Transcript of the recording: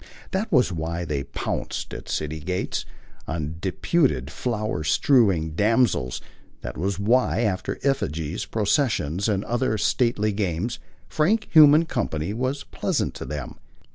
That was why they pounced, at city gates, on deputed flower strewing damsels; that was why, after effigies, processions and other stately games, frank human company was pleasant to them.